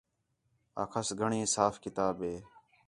آکھاس گھݨی صاف کتاب ہِے